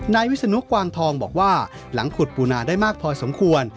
นายวิศนุกวางทองบอกว่าหลังขุดปูนาได้มากพอสมควร